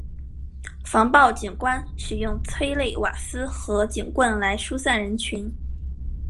防暴警察使用催泪瓦斯和警棍来疏散人群。